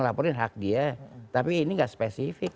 laporin hak dia tapi ini nggak spesifik